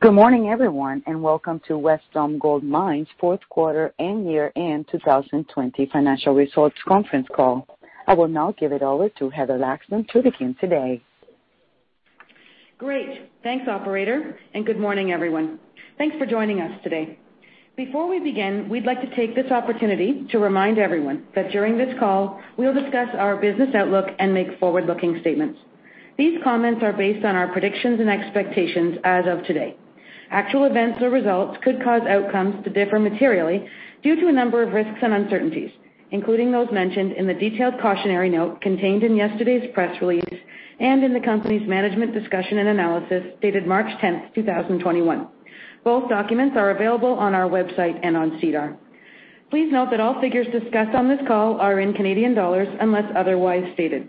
Good morning, everyone, and welcome to Wesdome Gold Mines' Fourth Quarter and Year-End 2020 Financial Results Conference Call. I will now give it over to Heather Laxton to begin today. Great. Thanks, operator, good morning, everyone. Thanks for joining us today. Before we begin, we'd like to take this opportunity to remind everyone that during this call, we'll discuss our business outlook and make forward-looking statements. These comments are based on our predictions and expectations as of today. Actual events or results could cause outcomes to differ materially due to a number of risks and uncertainties, including those mentioned in the detailed cautionary note contained in yesterday's press release and in the company's management discussion and analysis dated March 10th, 2021. Both documents are available on our website and on SEDAR. Please note that all figures discussed on this call are in Canadian dollars, unless otherwise stated.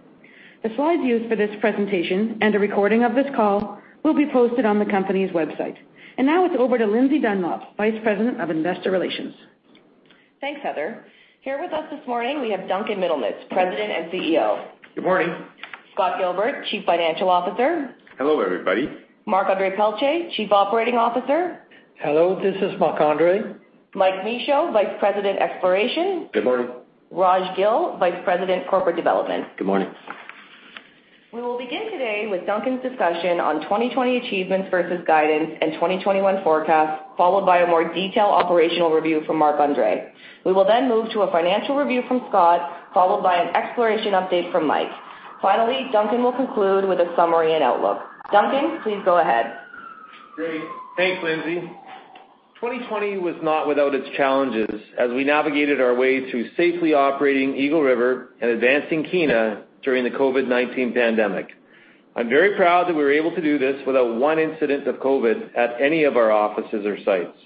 The slides used for this presentation and a recording of this call will be posted on the company's website. Now it's over to Lindsay Dunlop, Vice President of Investor Relations. Thanks, Heather. Here with us this morning, we have Duncan Middlemiss, President and CEO. Good morning. Scott Gilbert, Chief Financial Officer. Hello, everybody. Marc-Andre Pelletier, Chief Operating Officer. Hello, this is Marc-Andre. Mike Michaud, Vice President, Exploration. Good morning. Raj Gill, Vice President, Corporate Development. Good morning. We will begin today with Duncan's discussion on 2020 achievements versus guidance and 2021 forecast, followed by a more detailed operational review from Marc-Andre. We will then move to a financial review from Scott, followed by an exploration update from Mike. Finally, Duncan will conclude with a summary and outlook. Duncan, please go ahead. Great. Thanks, Lindsay. 2020 was not without its challenges as we navigated our way through safely operating Eagle River and advancing Kiena during the COVID-19 pandemic. I'm very proud that we were able to do this without one incident of COVID at any of our offices or sites.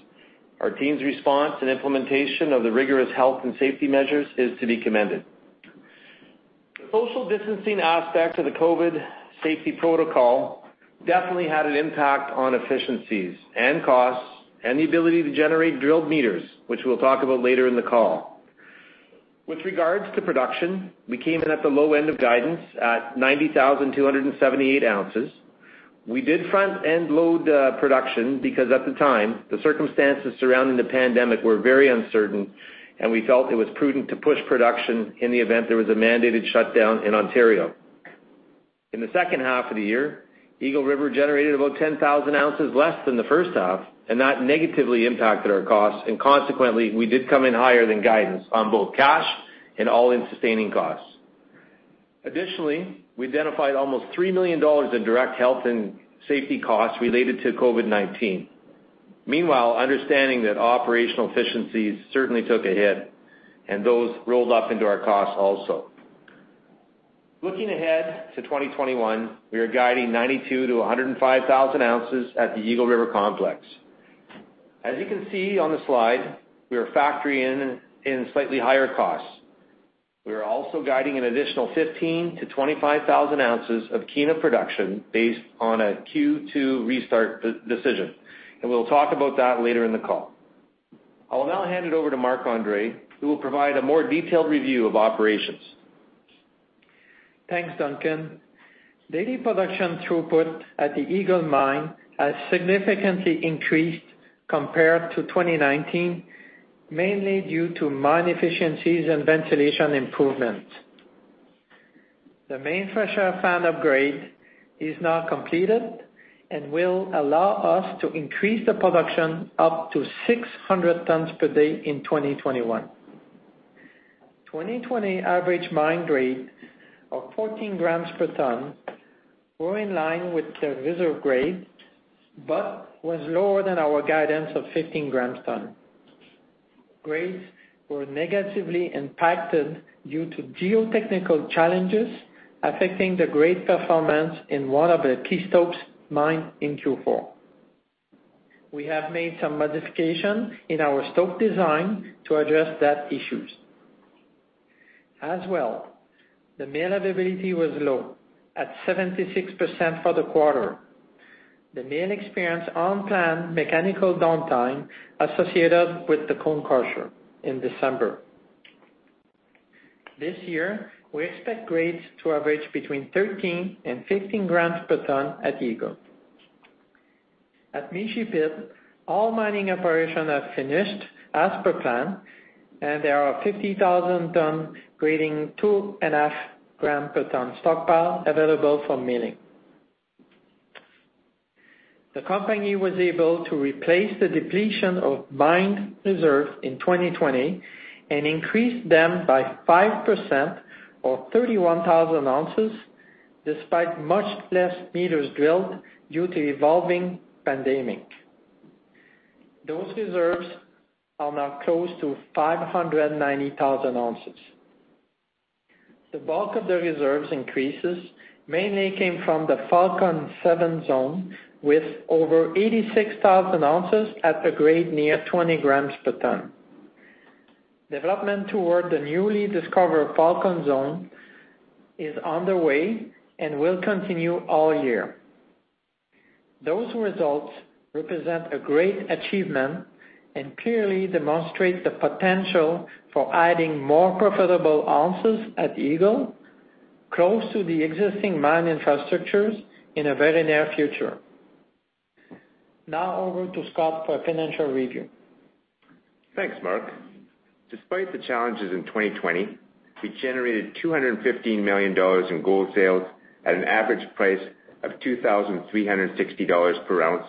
Our team's response and implementation of the rigorous health and safety measures is to be commended. The social distancing aspect of the COVID safety protocol definitely had an impact on efficiencies and costs, and the ability to generate drilled meters, which we'll talk about later in the call. With regards to production, we came in at the low end of guidance at 90,278 ounces. We did front-end load production because at the time, the circumstances surrounding the pandemic were very uncertain, and we felt it was prudent to push production in the event there was a mandated shutdown in Ontario. In the second half of the year, Eagle River generated about 10,000 ounces less than the first half, and that negatively impacted our costs, and consequently, we did come in higher than guidance on both cash and all-in sustaining costs. Additionally, we identified almost 3 million dollars in direct health and safety costs related to COVID-19. Meanwhile, understanding that operational efficiencies certainly took a hit, and those rolled up into our costs also. Looking ahead to 2021, we are guiding 92,000-105,000 ounces at the Eagle River complex. As you can see on the slide, we are factoring in slightly higher costs. We are also guiding an additional 15,000-25,000 ounces of Kiena production based on a Q2 restart decision, and we'll talk about that later in the call. I will now hand it over to Marc-Andre, who will provide a more detailed review of operations. Thanks, Duncan. Daily production throughput at the Eagle Mine has significantly increased compared to 2019, mainly due to mine efficiencies and ventilation improvements. The main fresh air fan upgrade is now completed and will allow us to increase the production up to 600 tons per day in 2021. 2020 average mine grades of 14 g per ton were in line with the reserve grade but was lower than our guidance of 15 g per ton. Grades were negatively impacted due to geotechnical challenges affecting the grade performance in one of the key stopes mined in Q4. We have made some modifications in our stope design to address that issue. As well, the mill availability was low, at 76% for the quarter. The mill experienced unplanned mechanical downtime associated with the cone crusher in December. This year, we expect grades to average between 13 g and 15 g per ton at Eagle. At Mishi Pit, all mining operations have finished as per plan, and there are 50,000 tons grading 2.5 g per ton stockpile available for milling. The company was able to replace the depletion of mined reserves in 2020 and increase them by 5%, or 31,000 ounces, despite much less meters drilled due to evolving pandemic. Those reserves are now close to 590,000 ounces. The bulk of the reserves increases mainly came from the Falcon Seven Zone, with over 86,000 ounces at a grade near 20 g per ton. Development toward the newly discovered Falcon Zone is underway and will continue all year. Those results represent a great achievement and clearly demonstrate the potential for adding more profitable ounces at Eagle, close to the existing mine infrastructures in a very near future. Now over to Scott for a financial review. Thanks, Marc. Despite the challenges in 2020, we generated 215 million dollars in gold sales at an average price of 2,360 dollars per ounce,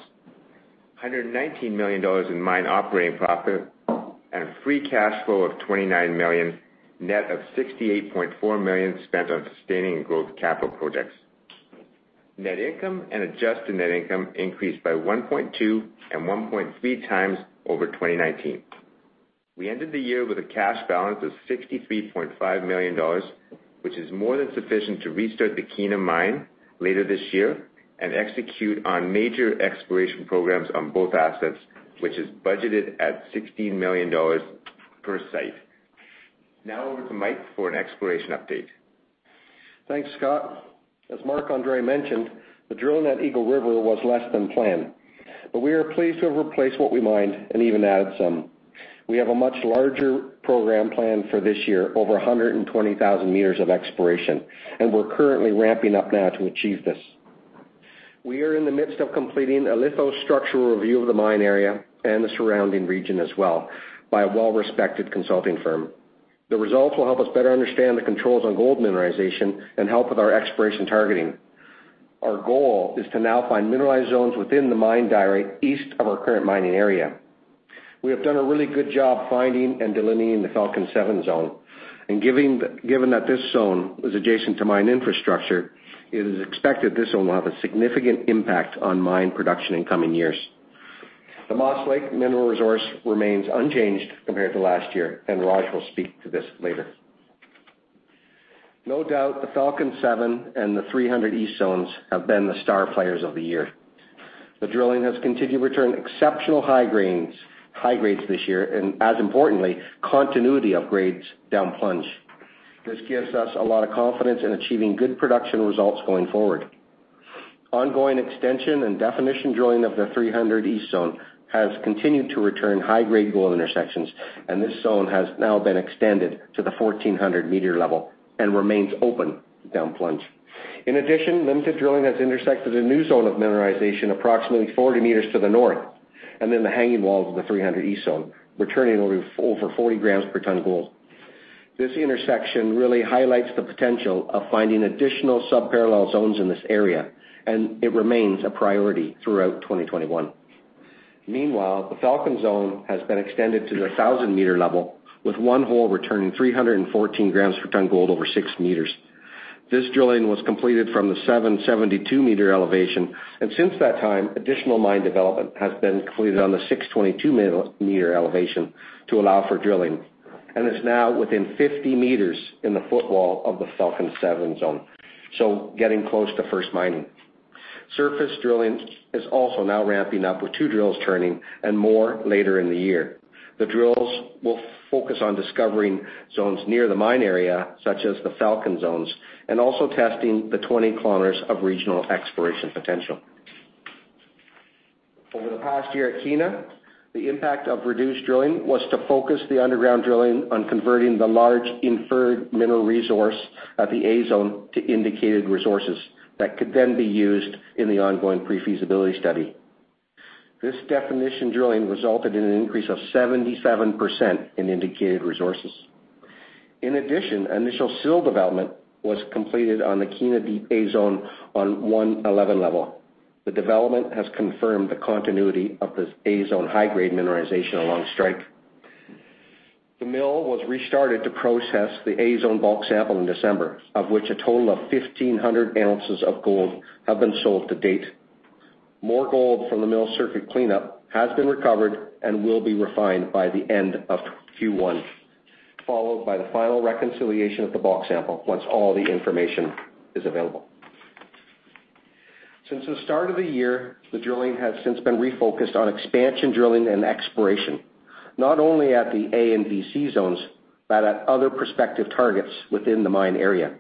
119 million dollars in mine operating profit, and a free cash flow of 29 million, net of 68.4 million spent on sustaining growth capital projects. Net income and adjusted net income increased by 1.2x and 1.3x over 2019. We ended the year with a cash balance of 63.5 million dollars, which is more than sufficient to restart the Kiena Mine later this year and execute on major exploration programs on both assets, which is budgeted at 16 million dollars per site. Over to Mike for an exploration update. Thanks, Scott. As Marc-Andre mentioned, the drilling at Eagle River was less than planned, but we are pleased to have replaced what we mined and even added some. We have a much larger program planned for this year, over 120,000 m of exploration, and we're currently ramping up now to achieve this. We are in the midst of completing a lithostructural review of the mine area and the surrounding region as well by a well-respected consulting firm. The results will help us better understand the controls on gold mineralization and help with our exploration targeting. Our goal is to now find mineralized zones within the mine diorite east of our current mining area. We have done a really good job finding and delineating the Falcon 7 zone, and given that this zone is adjacent to mine infrastructure, it is expected this zone will have a significant impact on mine production in coming years. The Moss Lake mineral resource remains unchanged compared to last year, and Raj will speak to this later. No doubt, the Falcon 7 and the 300 East zones have been the star players of the year. The drilling has continued to return exceptional high grades this year, and as importantly, continuity of grades down plunge. This gives us a lot of confidence in achieving good production results going forward. Ongoing extension and definition drilling of the 300 East zone has continued to return high-grade gold intersections, and this zone has now been extended to the 1,400 m level and remains open down plunge. Limited drilling has intersected a new zone of mineralization approximately 40 m to the north, and in the hanging walls of the 300 East Zone, returning over 40 g per ton of gold. This intersection really highlights the potential of finding additional sub-parallel zones in this area, and it remains a priority throughout 2021. Meanwhile, the Falcon Zone has been extended to the 1,000 m level with one hole returning 314 g per ton gold over 6 m. This drilling was completed from the 772 m elevation, and since that time, additional mine development has been completed on the 622 m elevation to allow for drilling, and is now within 50 m in the footwall of the Falcon 7 Zone, so getting close to first mining. Surface drilling is also now ramping up with two drills turning and more later in the year. The drills will focus on discovering zones near the mine area, such as the Falcon zones, and also testing the 20 km of regional exploration potential. Over the past year at Kiena, the impact of reduced drilling was to focus the underground drilling on converting the large Inferred Mineral Resource at the A Zone to Indicated Mineral Resources that could then be used in the ongoing pre-feasibility study. This definition drilling resulted in an increase of 77% in Indicated Mineral Resources. In addition, initial sill development was completed on the Kiena Deep A Zone on 111 level. The development has confirmed the continuity of the A Zone high-grade mineralization along strike. The mill was restarted to process the A Zone bulk sample in December, of which a total of 1,500 ounces of gold have been sold to date. More gold from the mill circuit cleanup has been recovered and will be refined by the end of Q1, followed by the final reconciliation of the bulk sample once all the information is available. Since the start of the year, the drilling has since been refocused on expansion drilling and exploration, not only at the A and VC Zones, but at other prospective targets within the mine area.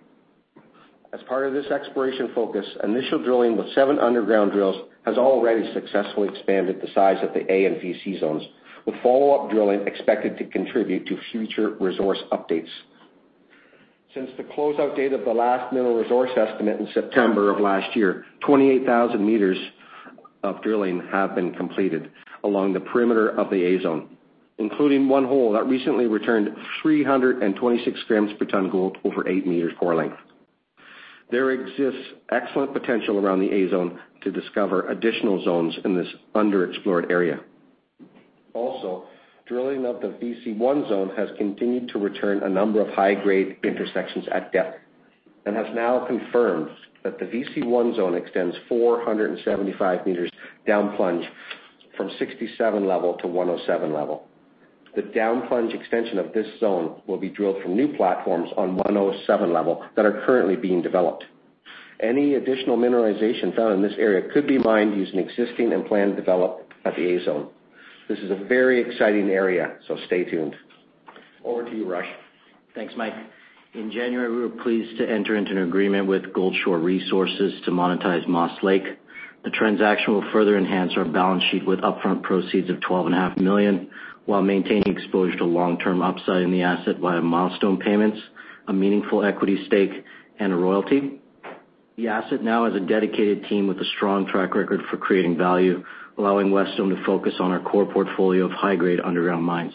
As part of this exploration focus, initial drilling with seven underground drills has already successfully expanded the size of the A and VC Zones, with follow-up drilling expected to contribute to future resource updates. Since the closeout date of the last mineral resource estimate in September of last year, 28,000 m of drilling have been completed along the perimeter of the A Zone, including one hole that recently returned 326 g per ton gold over 8 m core length. There exists excellent potential around the A Zone to discover additional zones in this underexplored area. Also, drilling of the VC1 Zone has continued to return a number of high-grade intersections at depth and has now confirmed that the VC1 Zone extends 475 m down plunge from 67 level to 107 level. The down plunge extension of this zone will be drilled from new platforms on 107 level that are currently being developed. Any additional mineralization found in this area could be mined using existing and planned development at the A Zone. This is a very exciting area, so stay tuned. Over to you, Raj. Thanks, Mike. In January, we were pleased to enter into an agreement with Goldshore Resources to monetize Moss Lake. The transaction will further enhance our balance sheet with upfront proceeds of 12.5 million while maintaining exposure to long-term upside in the asset via milestone payments, a meaningful equity stake, and a royalty. The asset now has a dedicated team with a strong track record for creating value, allowing Wesdome to focus on our core portfolio of high-grade underground mines.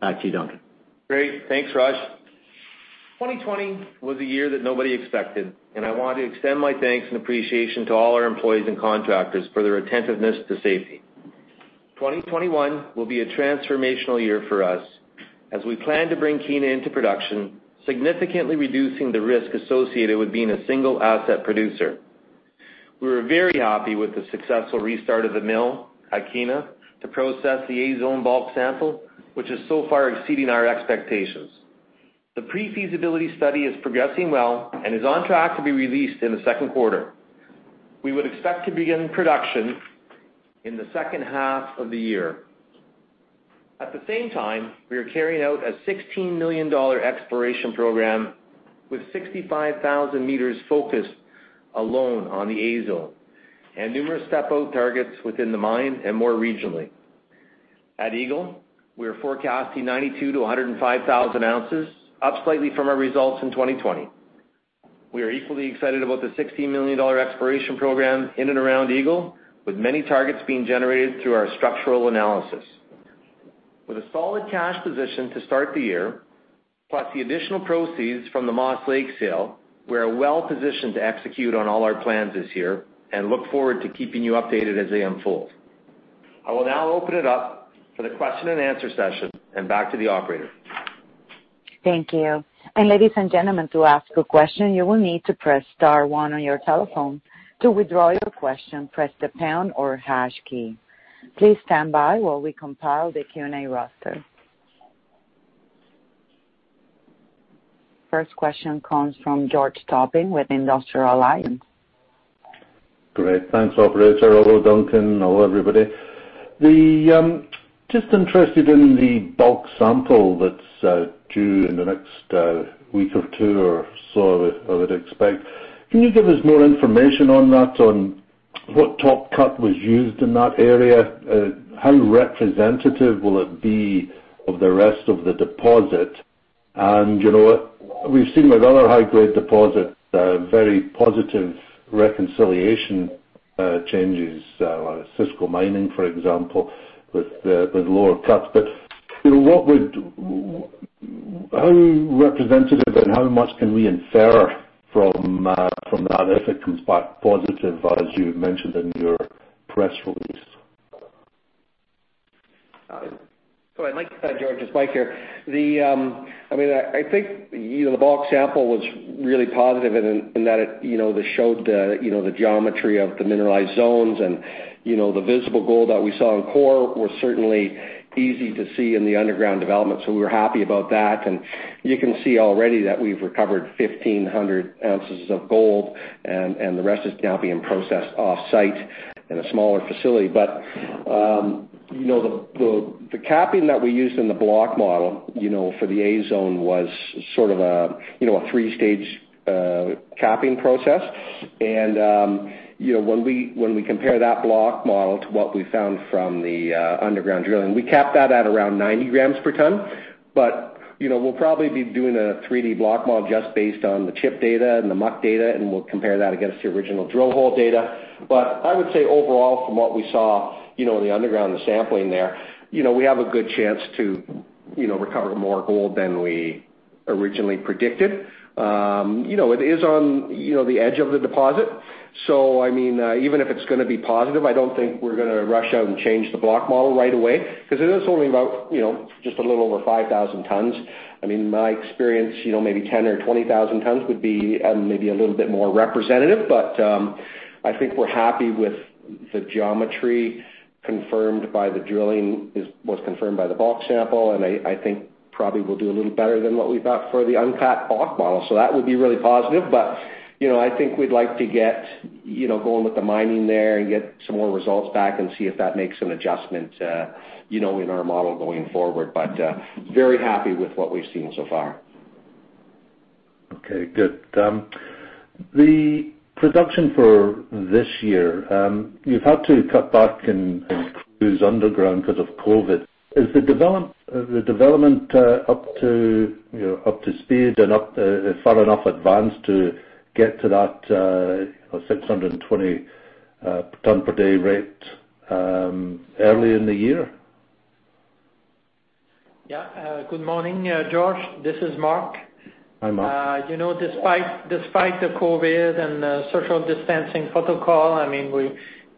Back to you, Duncan. Great. Thanks, Raj. 2020 was a year that nobody expected, and I want to extend my thanks and appreciation to all our employees and contractors for their attentiveness to safety. 2021 will be a transformational year for us as we plan to bring Kiena into production, significantly reducing the risk associated with being a single asset producer. We were very happy with the successful restart of the mill at Kiena to process the A-Zone bulk sample, which is so far exceeding our expectations. The pre-feasibility study is progressing well and is on track to be released in the second quarter. We would expect to begin production in the second half of the year. At the same time, we are carrying out a 16 million dollar exploration program with 65,000 m focused alone on the A-Zone, and numerous step-out targets within the mine, and more regionally. At Eagle, we are forecasting 92,000 to 105,000 ounces, up slightly from our results in 2020. We are equally excited about the 16 million dollar exploration program in and around Eagle, with many targets being generated through our structural analysis. With a solid cash position to start the year, plus the additional proceeds from the Moss Lake sale, we are well positioned to execute on all our plans this year and look forward to keeping you updated as they unfold. I will now open it up for the question and answer session, and back to the operator. Thank you. Ladies and gentlemen, to ask a question you will need to press star one on your telephone. To withdraw your question press the pound or hash key. Please stand by while we compile the Q&A roster. First question comes from George Topping with Industrial Alliance. Great. Thanks, operator. Hello, Duncan. Hello, everybody. Just interested in the bulk sample that's due in the next week or two or so, I would expect. Can you give us more information on that, on what top cut was used in that area? How representative will it be of the rest of the deposit? We've seen with other high-grade deposits, very positive reconciliation changes out of Osisko Mining, for example, with lower cuts. How representative and how much can we infer from that if it comes back positive, as you mentioned in your press release? I'd like to say, George, it's Mike here. I think the bulk sample was really positive in that it showed the geometry of the mineralized zones and the visible gold that we saw in core was certainly easy to see in the underground development. We were happy about that. You can see already that we've recovered 1,500 ounces of gold and the rest is now being processed off-site in a smaller facility. The capping that we used in the block model for the A Zone was sort of a three-stage capping process. When we compare that block model to what we found from the underground drilling, we capped that at around 90 g per ton. We'll probably be doing a 3D block model just based on the chip data and the muck data, and we'll compare that against the original drill hole data. I would say overall, from what we saw in the underground, the sampling there, we have a good chance to recover more gold than we originally predicted. It is on the edge of the deposit. Even if it's going to be positive, I don't think we're going to rush out and change the block model right away, because it is only about just a little over 5,000 tons. In my experience, maybe 10,000 or 20,000 tons would be maybe a little bit more representative. I think we're happy with the geometry confirmed by the drilling, was confirmed by the bulk sample, and I think probably we'll do a little better than what we've got for the uncapped block model. That would be really positive. I think we'd like to get going with the mining there and get some more results back and see if that makes an adjustment in our model going forward. Very happy with what we've seen so far. Okay, good. The production for this year, you've had to cut back in crews underground because of COVID. Is the development up to speed and far enough advanced to get to that 620 ton per day rate early in the year? Yeah. Good morning, George. This is Marc. Hi, Marc. Despite the COVID and the social distancing protocol,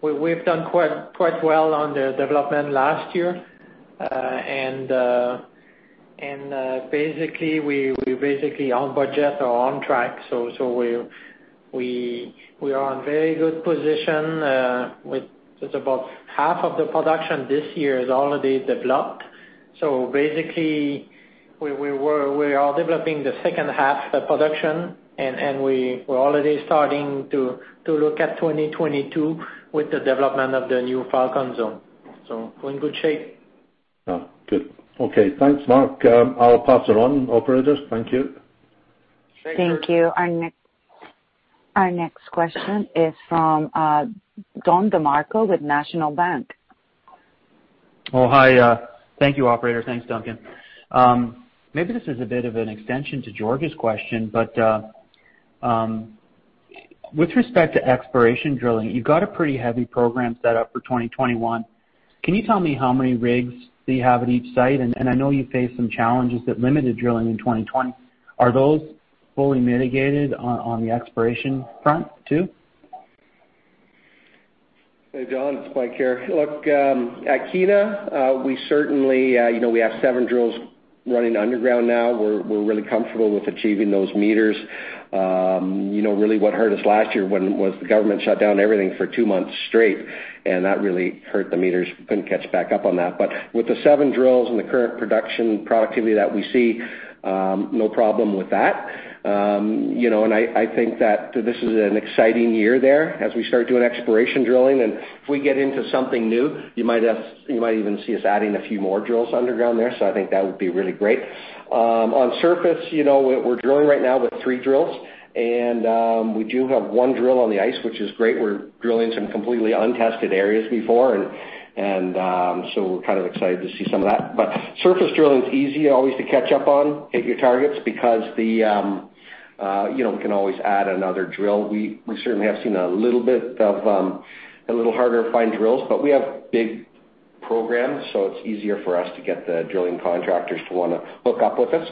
we've done quite well on the development last year. We're basically on budget or on track, so we are in very good position with just about half of the production this year is already developed. Basically, we are developing the second half, the production, and we're already starting to look at 2022 with the development of the new Falcon zone. We're in good shape. Oh, good. Okay. Thanks, Marc. I'll pass it on, operators. Thank you. Thank you. Thank you. Our next question is from Don DeMarco with National Bank. Oh, hi. Thank you, operator. Thanks, Duncan. Maybe this is a bit of an extension to George's question. With respect to exploration drilling, you've got a pretty heavy program set up for 2021. Can you tell me how many rigs do you have at each site? I know you faced some challenges that limited drilling in 2020. Are those fully mitigated on the exploration front, too? Hey, Don, it's Mike here. Look, at Kiena, we have seven drills running underground now. We're really comfortable with achieving those meters. Really what hurt us last year was the government shut down everything for two months straight, and that really hurt the meters. We couldn't catch back up on that. With the seven drills and the current production productivity that we see, no problem with that. I think that this is an exciting year there as we start doing exploration drilling, and if we get into something new, you might even see us adding a few more drills underground there. I think that would be really great. On surface, we're drilling right now with three drills, and we do have one drill on the ice, which is great. We're drilling some completely untested areas before, we're excited to see some of that. Surface drilling is easy always to catch up on, hit your targets because we can always add another drill. We certainly have seen a little harder to find drills, but we have big programs, so it's easier for us to get the drilling contractors to want to hook up with us.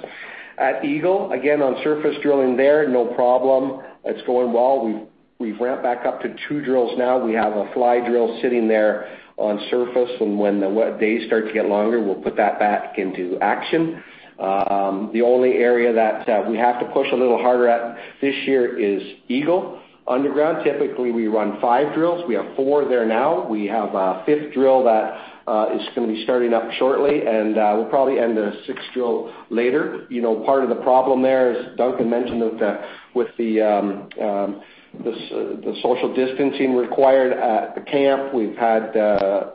At Eagle, again, on surface drilling there, no problem. It's going well. We've ramped back up to two drills now. We have a fly drill sitting there on surface, and when the days start to get longer, we'll put that back into action. The only area that we have to push a little harder at this year is Eagle underground. Typically, we run five drills. We have four there now. We have a fifth drill that is going to be starting up shortly, and we'll probably end a sixth drill later. Part of the problem there, as Duncan mentioned, with the social distancing required at the camp. We've had a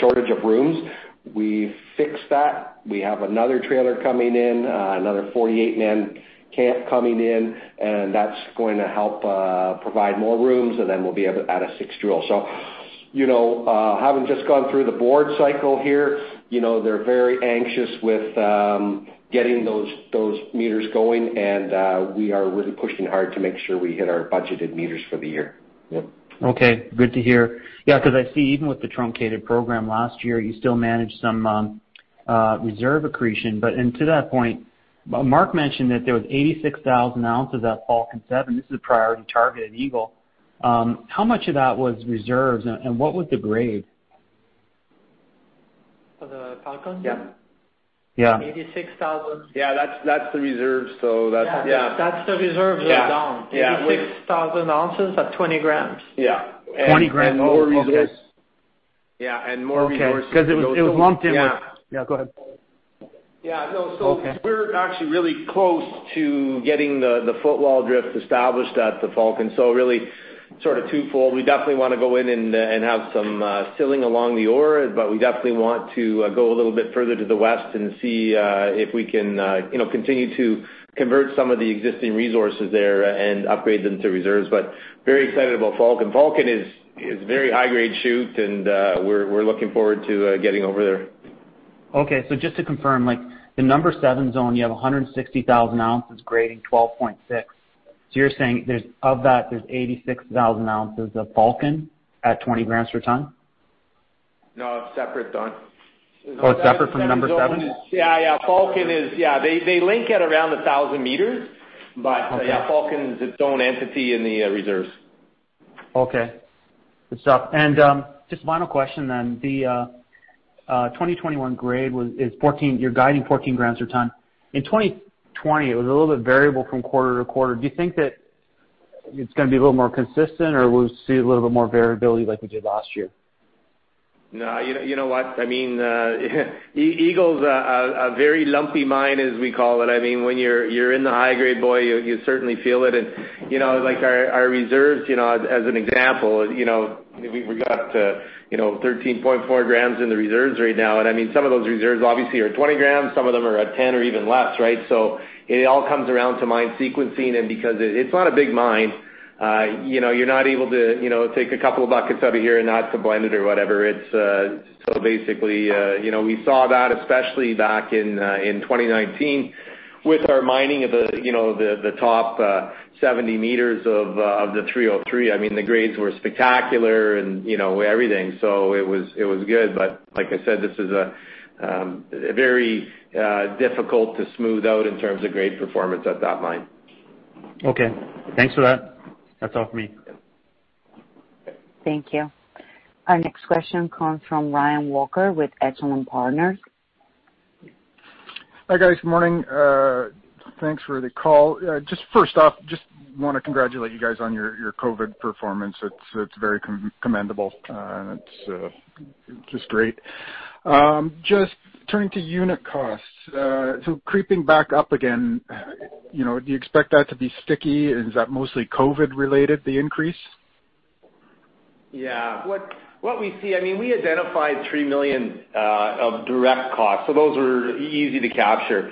shortage of rooms. We fixed that. We have another trailer coming in, another 48-man camp coming in, and that's going to help provide more rooms, and then we'll be able to add a sixth drill. Having just gone through the board cycle here, they're very anxious with getting those meters going, and we are really pushing hard to make sure we hit our budgeted meters for the year. Yep. Okay. Good to hear. Yeah, because I see even with the truncated program last year, you still managed some reserve accretion. To that point, Marc mentioned that there was 86,000 ounces at Falcon Seven. This is a priority target at Eagle. How much of that was reserves, and what was the grade? Of the Falcon? Yeah. 86,000 ounces. Yeah, that's the reserves. Yeah, that's the reserves are down. Yeah. 86,000 ounces at 20 g. Yeah. 20 g. Okay. Yeah, more resources. Okay, because it was... Yeah. Yeah, go ahead. Yeah, no. Okay. We're actually really close to getting the footwall drift established at the Falcon. Really twofold. We definitely want to go in and have some filling along the ore, but we definitely want to go a little bit further to the west and see if we can continue to convert some of the existing resources there and upgrade them to reserves. Very excited about Falcon. Falcon is a very high-grade chute, and we're looking forward to getting over there. Okay, just to confirm, the number 7 zone, you have 160,000 ounces grading 12.6. You're saying, of that, there's 86,000 ounces of Falcon at 20 g per ton? No, separate zone. Oh, separate from number 7? Yeah. Falcon They link at around 1,000 m, but yeah, Falcon's its own entity in the reserves. Okay. Good stuff. Just final question. The 2021 grade, you're guiding 14 g per ton. In 2020, it was a little bit variable from quarter to quarter. Do you think that it's going to be a little more consistent, or we'll see a little bit more variability like we did last year? No. You know what? Eagle's a very lumpy mine, as we call it. When you're in the high grade, boy, you certainly feel it. Our reserves, as an example, we got up to 13.4 g in the reserves right now. Some of those reserves obviously are 20 g. Some of them are at 10 g or even less, right? It all comes around to mine sequencing, and because it's not a big mine, you're not able to take a couple of buckets out of here and not to blend it or whatever. Basically, we saw that especially back in 2019 with our mining of the top 70 m of the 303. The grades were spectacular and everything. It was good, but like I said, this is very difficult to smooth out in terms of grade performance at that mine. Okay. Thanks for that. That's all for me. Thank you. Our next question comes from Ryan Walker with Echelon Partners. Hi, guys. Good morning. Thanks for the call. First off, just want to congratulate you guys on your COVID performance. It's very commendable, and it's just great. Turning to unit costs, so creeping back up again, do you expect that to be sticky? Is that mostly COVID related, the increase? Yeah. What we see, we identified 3 million of direct costs. Those are easy to capture.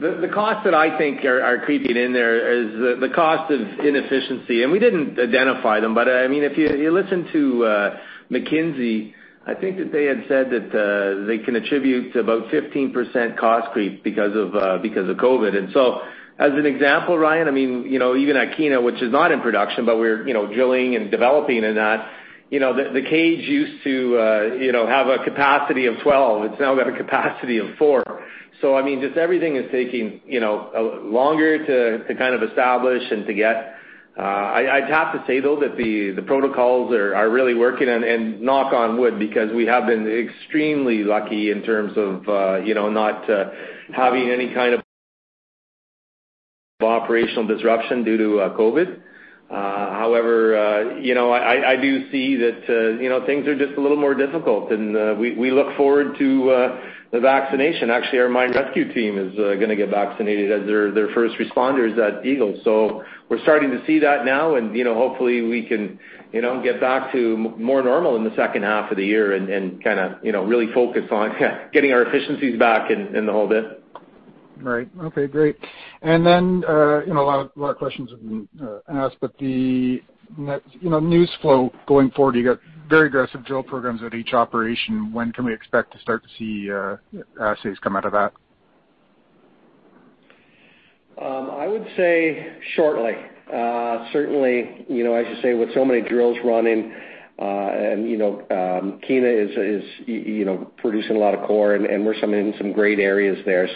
The costs that I think are creeping in there is the cost of inefficiency. We didn't identify them. If you listen to McKinsey, I think that they had said that they can attribute about 15% cost creep because of COVID. As an example, Ryan, even at Kiena, which is not in production, but we're drilling and developing in that, the cage used to have a capacity of 12. It's now got a capacity of four. Just everything is taking longer to kind of establish and to get. I'd have to say, though, that the protocols are really working, and knock on wood, because we have been extremely lucky in terms of not having any kind of operational disruption due to COVID. I do see that things are just a little more difficult. We look forward to the vaccination. Actually, our mine rescue team is going to get vaccinated as they're first responders at Eagle. We're starting to see that now. Hopefully we can get back to more normal in the second half of the year and kind of really focus on getting our efficiencies back and the whole bit. Right. Okay, great. A lot of questions have been asked, but the news flow going forward, you got very aggressive drill programs at each operation. When can we expect to start to see assays come out of that? I would say shortly. Certainly, as you say, with so many drills running, Kiena is producing a lot of core, and we're seeing some great areas there,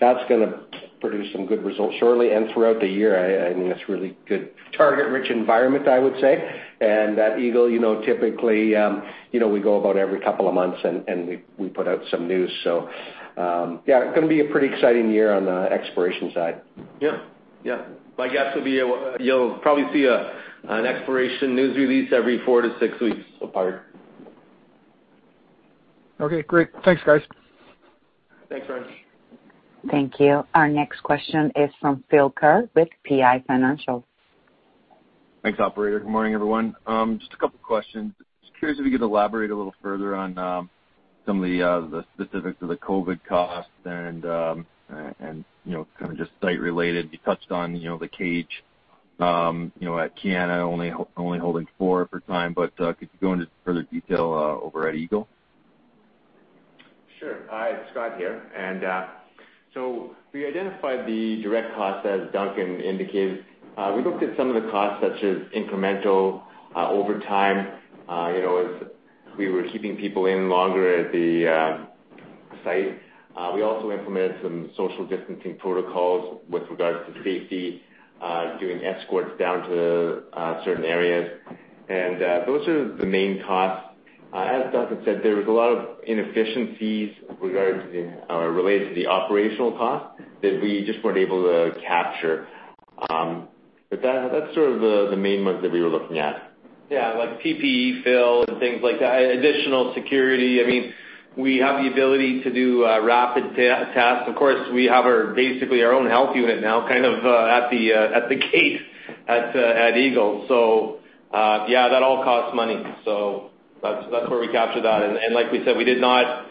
that's going to produce some good results shortly and throughout the year. It's a really good target-rich environment, I would say. At Eagle, typically, we go about every couple of months, and we put out some news. Yeah, going to be a pretty exciting year on the exploration side. Yeah. My guess would be you'll probably see an exploration news release every four to six weeks apart. Okay, great. Thanks, guys. Thanks, Ryan. Thank you. Our next question is from Phil Ker with PI Financial. Thanks, operator. Good morning, everyone. Just a couple questions. Just curious if you could elaborate a little further on some of the specifics of the COVID-19 costs and kind of just site related. You touched on the cage at Kiena only holding four for time, but could you go into further detail over at Eagle? Sure. Scott here. We identified the direct cost as Duncan indicated. We looked at some of the costs such as incremental overtime as we were keeping people in longer at the site. We also implemented some social distancing protocols with regards to safety, doing escorts down to certain areas. Those are the main costs. As Duncan said, there was a lot of inefficiencies related to the operational cost that we just weren't able to capture. That's sort of the main ones that we were looking at. Yeah, like PPE, Phil, and things like that. Additional security. We have the ability to do rapid tests. Of course, we have basically our own health unit now, kind of at the cage at Eagle. Yeah, that all costs money. That's where we captured that. Like we said, we did not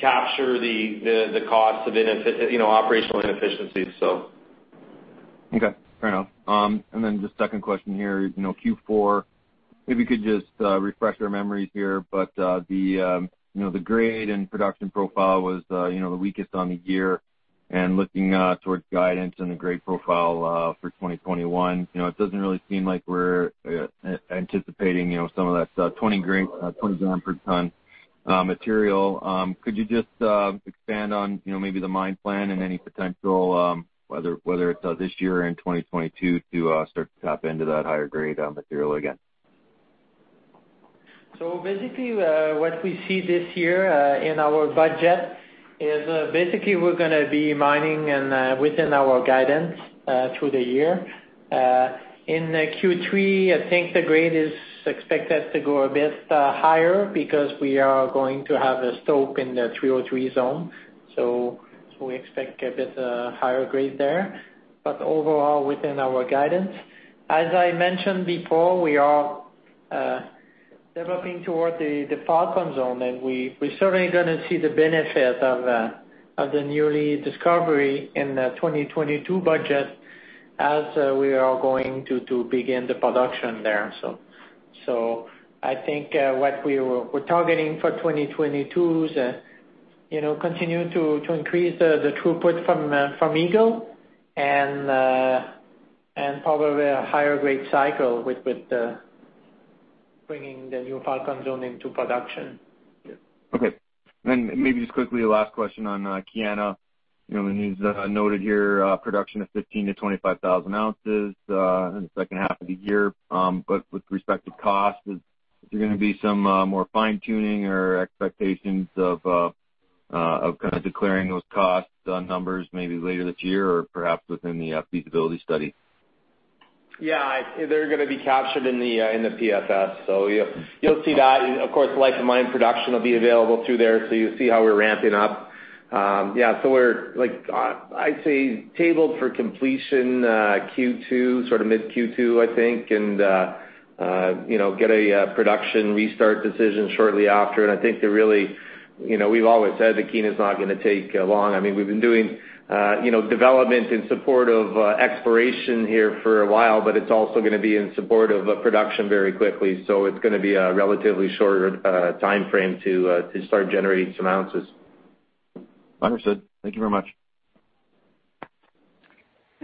capture the cost of operational inefficiencies. Okay. Fair enough. Just second question here, Q4, maybe you could just refresh our memories here, but the grade and production profile was the weakest on the year and looking towards guidance and the grade profile for 2021. It doesn't really seem like we're anticipating some of that 20 g per ton material. Could you just expand on maybe the mine plan and any potential, whether it's this year or in 2022, to start to tap into that higher grade material again? Basically, what we see this year in our budget is basically we're going to be mining within our guidance through the year. In Q3, I think the grade is expected to go a bit higher because we are going to have a stope in the 303 zone. We expect a bit higher grade there, overall, within our guidance. As I mentioned before, we are developing toward the Falcon zone, and we're certainly going to see the benefit of the newly discovery in the 2022 budget as we are going to begin the production there. I think what we're targeting for 2022 is continue to increase the throughput from Eagle and probably a higher grade cycle with bringing the new Falcon zone into production. Okay. Maybe just quickly, last question on Kiena. It's noted here, production of 15,000 ounces-25,000 ounces in the second half of the year. With respect to cost, is there going to be some more fine-tuning or expectations of kind of declaring those costs on numbers maybe later this year or perhaps within the feasibility study? Yeah. They're going to be captured in the PFS. You'll see that. Of course, life of mine production will be available through there, you'll see how we're ramping up. We're, I'd say tabled for completion Q2, sort of mid Q2, I think, and get a production restart decision shortly after. I think we've always said that Kiena is not going to take long. We've been doing development in support of exploration here for a while, but it's also going to be in support of production very quickly. It's going to be a relatively shorter timeframe to start generating some ounces. Understood. Thank you very much.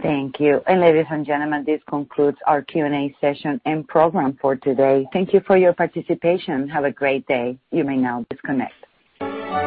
Thank you. Ladies and gentlemen, this concludes our Q&A session and program for today. Thank you for your participation. Have a great day. You may now disconnect.